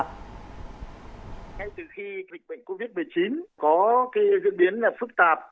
ngay từ khi lịch bệnh covid một mươi chín có cái diễn biến phức tạp